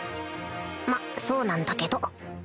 まっそうなんだけど